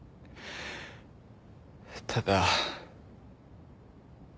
ただ。